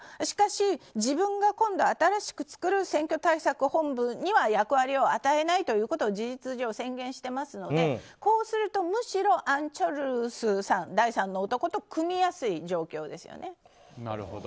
しかし、自分が今度新しく作る選挙対策本部には役割を与えないことを事実上、宣言していますのでこうすると、むしろアン・チョルスさん、第３の男と組みやすい状況ですよね。